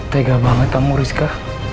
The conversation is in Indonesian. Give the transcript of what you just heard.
tega banget kamu rizka